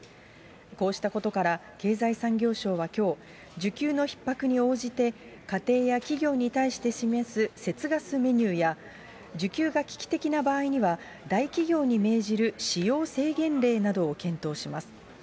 こうしたことから、経済産業省はきょう、需給のひっ迫に応じて、家庭や企業に対して示す節ガスメニューや、需給が危機的な場合には、大企業に命じる使用制限令などを検討します。